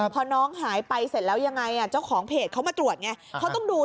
พอน้องหายไปเสร็จแล้วยังไงเจ้าของเพจเขามาตรวจไงเขาต้องดู